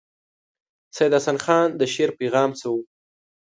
سید حسن خان د شعر پیغام څه وو.